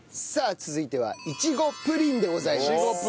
さあ続いてはイチゴプリンでございます。